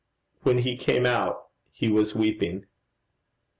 When he came out, he was weeping.